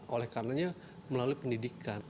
oleh karena itu melalui pendidikan